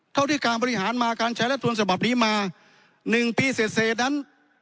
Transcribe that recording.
เท่าที่การบริหารมาการใช้รัฐมนต์ฉบับนี้มา๑ปีเสร็จนั้น